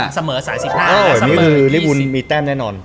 เสมอ๓๕เสมอ๓๕แล้วเสมอ๒๐